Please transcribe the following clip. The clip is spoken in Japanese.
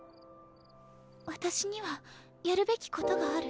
私にはやるべきことがある。